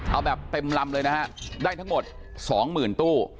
เอาแบบเต็มลำเลยนะฮะได้ทั้งหมด๒๐๐๐ตู้